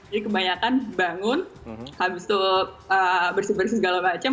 jadi kebanyakan bangun habis itu bersih bersih segala macem